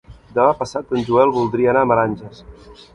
Demà passat en Joel voldria anar a Meranges.